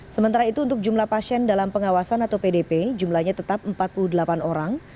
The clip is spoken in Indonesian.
sementara itu untuk jumlah pasien dalam pengawasan atau pdp jumlahnya tetap empat puluh delapan orang